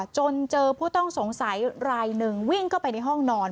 จนเจอผู้ต้องสงสัยรายหนึ่งวิ่งเข้าไปในห้องนอน